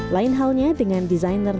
lain halnya dengan desainer